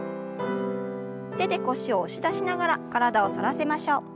手で腰を押し出しながら体を反らせましょう。